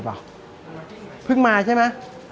พึ่งมาใช่มั้ย